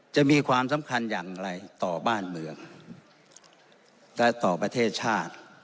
จะมีความสำคัญอย่างไรต่อบ้านเมืองและต่อประเทศชาติ